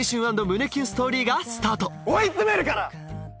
＆胸キュンストーリーがスタート追い詰めるから！